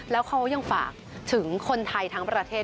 แล้วเขายังฝากถึงคนไทยทั้งประเทศ